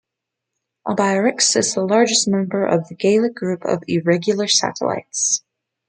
Albiorix is the largest member of the Gallic group of irregular satellites.